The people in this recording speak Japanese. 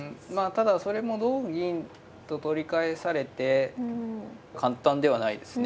ただそれも同銀と取り返されて簡単ではないですね。